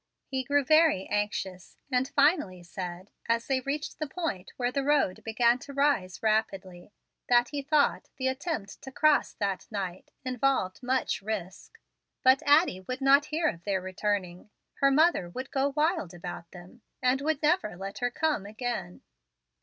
He grew very anxious, and finally said, as they reached the point where the road began to rise rapidly, that he thought the attempt to cross that night involved much risk. But Addie would not hear of their returning. Her mother would go wild about them, and would never let her come again.